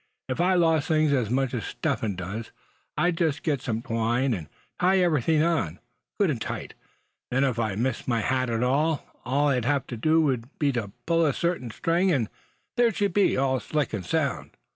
If I lost things as much as Step Hen does, I'd just get some twine, and tie everything on, good and tight. Then if I missed my hat all I'd have to do would be to pull in a certain string, and there she'd be, all slick and sound."